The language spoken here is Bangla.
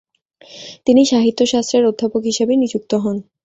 তিনি সাহিত্যশাস্ত্রের অধ্যাপক হিসাবে নিযুক্ত হন।